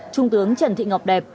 trung tướng trần thị ngọc đẹp